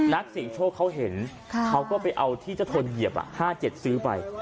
นักเสียงโชคเขาเห็นเขาก็ไปเอาที่เจ้าโทนเหยียบ๕๗ซื้อไป